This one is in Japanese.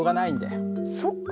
そっか。